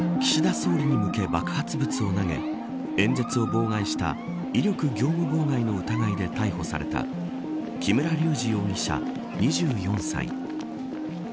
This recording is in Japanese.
総理に向け爆発物を投げ演説を妨害した威力業務妨害の疑いで逮捕された木村隆二容疑者、２４歳。